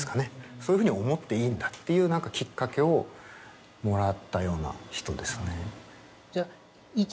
そういうふうに思っていいんだっていうきっかけをもらったような人ですね。